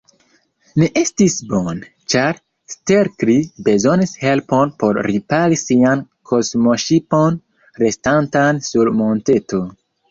Ne estis bone, ĉar Stelkri bezonis helpon por ripari sian kosmoŝipon restantan sur monteto.